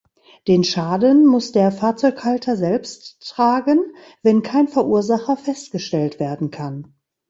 Den Schaden muss der Fahrzeughalter selbst tragen, wenn kein Verursacher festgestellt werden kann.